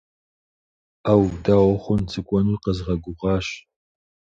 Ӏэу, дауэ хъун, сыкӏуэну къэзгъэгугъащ.